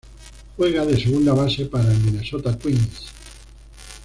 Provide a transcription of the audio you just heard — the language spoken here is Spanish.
Juega de segunda base para el Minnesota Twins.